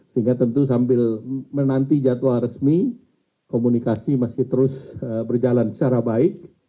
sehingga tentu sambil menanti jadwal resmi komunikasi masih terus berjalan secara baik